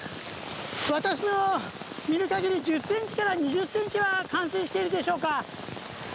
私の見る限り１０ｃｍから２０ｃｍは冠水しているでしょうか。